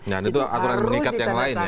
nah itu aturan mengikat yang lain ya